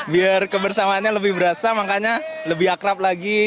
biar kebersamaannya lebih berasa makanya lebih akrab lagi